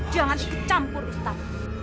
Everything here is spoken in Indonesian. jangan dicampur ustaz